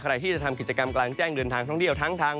ใครที่จะทำกิจกรรมกลางแจ้งเดินทางท่องเที่ยวทั้งทาง